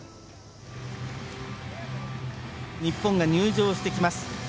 日本が入場してきます。